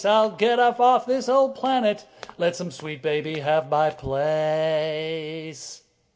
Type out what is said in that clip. I'll get off this old planet, Let some sweet baby have my place.